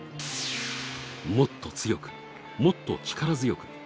もっと強く、もっと力強く。